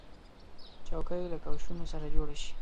چوکۍ له کوشنو سره جوړه شي.